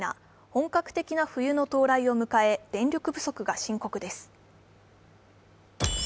本格的な冬の到来を迎え、電力不足が深刻です。